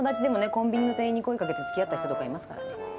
コンビニの店員に声かけてつきあった人とかいますからね。